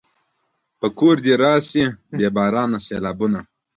په کور دې راشه بې بارانه سېلابونه